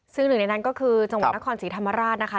ซึ่งหนึ่งในนั้นก็คือจังหวัดนครศรีธรรมราชนะคะ